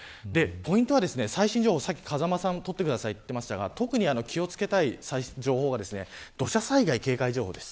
ポイントは最新情報、さっき風間さんが取ってくださいと言っていましたが特に気を付けたい最新情報は土砂災害警戒情報です。